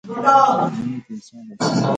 مینې ته انسان اړتیا لري.